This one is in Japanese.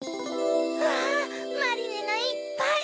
うわマリネがいっぱい！